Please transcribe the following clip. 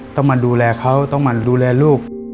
ต้องมาดูแลเขาต้องมาดูแลลูก